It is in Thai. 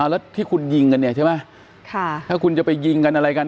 แล้วที่คุณยิงกันเนี่ยใช่ไหมถ้าคุณจะไปยิงกันอะไรกัน